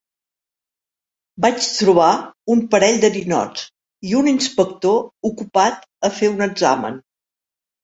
Vaig trobar un parell de ninots i un inspector ocupat a fer un examen.